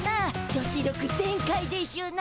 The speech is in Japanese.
女子力全開でしゅな。